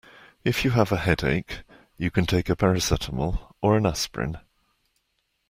If you have a headache, you can take a paracetamol or an aspirin